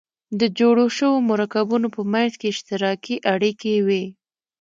د جوړو شوو مرکبونو په منځ کې اشتراکي اړیکې وي.